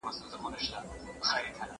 ستا تر پوهي مي خپل نیم عقل په کار دی